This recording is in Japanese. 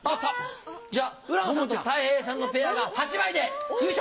じゃあ浦野さんとたい平さんのペアが８枚で優勝！